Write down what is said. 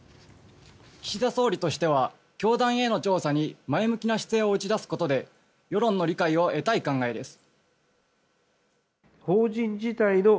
岸田総理としては教団への調査に前向きな姿勢を打ち出すことで世論の理解を得たい考えです。